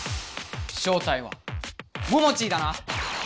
正体はモモチーだな！